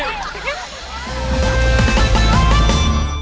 โอ้โฮ